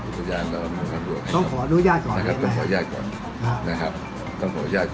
ธุรกรรมเราอำนวยความสะดวก